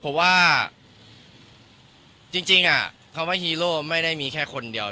เพราะว่าจริงคำว่าฮีโร่ไม่ได้มีแค่คนเดียว